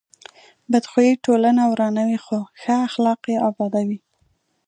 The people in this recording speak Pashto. بد خوی ټولنه ورانوي، خو ښه اخلاق یې ابادوي.